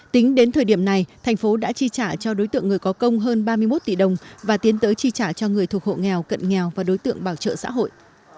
tính đến thời điểm này thành phố đã chi trả cho đối tượng người có công hơn ba mươi một tỷ đồng và tiến tới chi trả cho người thuộc hộ nghèo cận nghèo và đối tượng bảo trợ xã hội